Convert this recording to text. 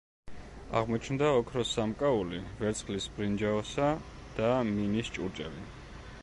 აღმოჩნდა ოქროს სამკაული, ვერცხლის ბრინჯაოსა და მინის ჭურჭელი.